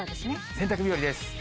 洗濯日和です。